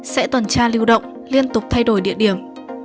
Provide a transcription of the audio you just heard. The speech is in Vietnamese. sẽ tuần tra lưu động liên tục thay đổi địa điểm